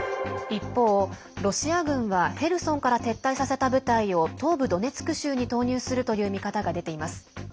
一方、ロシア軍はヘルソンから撤退させた部隊を東部ドネツク州に投入するという見方が出ています。